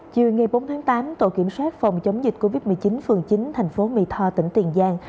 chiều ngày bốn tháng tám tổ kiểm soát phòng chống dịch covid một mươi chín phường chín thành phố mỹ tho tỉnh tiền giang